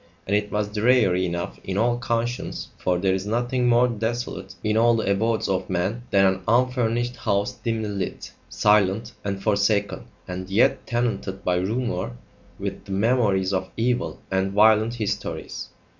And it was dreary enough in all conscience, for there is nothing more desolate in all the abodes of men than an unfurnished house dimly lit, silent, and forsaken, and yet tenanted by rumour with the memories of evil and violent histories.